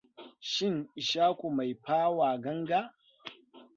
Shin Ishaku Mai Fawa Ranga?